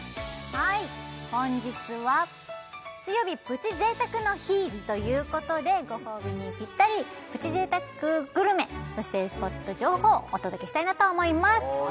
はい本日は水曜日プチ贅沢の日ということでご褒美にぴったりプチ贅沢グルメそしてスポット情報お届けしたいなと思います